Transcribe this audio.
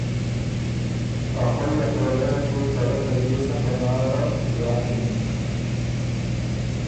ا خوئ ا پردئ ل بُو ته رۀ ته ديېڅن پناره که زاکِن